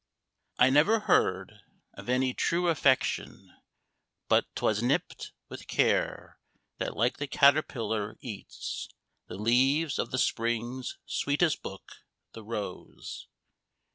I never heard Of any true affection, but 't was nipt With care, that, like the caterpillar, eats The leaves of the spring's sweetest book, the rose.